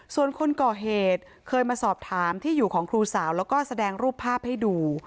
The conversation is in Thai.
ส่วนคนก่อเหตุเคยมาสอบถามที่อยู่ของครูสาวแล้วก็แสดงรูปภาพให้ดู